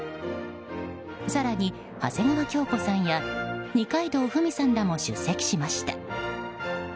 更に、長谷川京子さんや二階堂ふみさんらも出席しました。